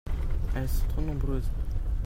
elles sont trop nombreuses.